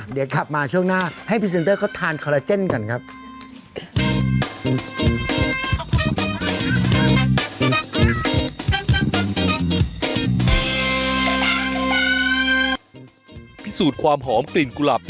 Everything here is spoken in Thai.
เดี๋ยวกลับมาช่วงหน้าให้พรีเซนเตอร์เขาทานคอลลาเจนกันครับ